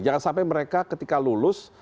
jangan sampai mereka ketika lulus